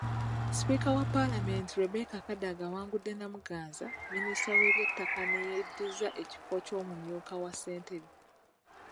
Sipiika wa Palamenti Rebecca Kadaga awangudde Namuganza, minisita w’eby’ettaka neyeddiza ekifo ky’Omumyuka wa ssentebe.